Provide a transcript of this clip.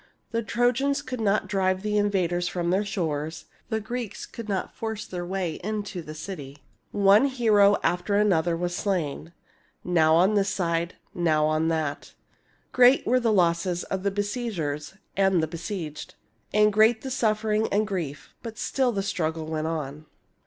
The Trojans could not drive the invaders from their shores ; the Greeks could not force their way into the city. One hero after another was slain, now on this side, now on that. 138 THIRTY MORE FAMOUS STORIES Great were the losses of besiegers and besieged, and great the suffering and grief ; but still the struggle went on.